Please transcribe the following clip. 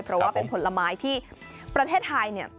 เพราะว่าเป็นผลไม้ที่ประเทศไทยเนี่ย